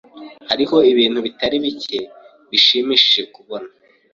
Hariho ibintu bitari bike bishimishije kubona.